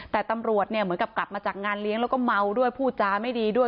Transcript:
แต่ตำรวจเนี่ยเหมือนกับกลับมาจากงานเลี้ยงแล้วก็เมาด้วยพูดจาไม่ดีด้วย